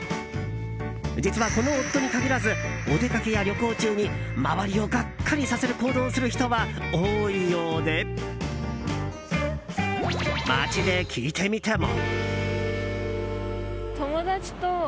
実は、この夫に限らずお出かけや旅行中に周りをがっかりさせる行動をする人は多いようで街で聞いてみても。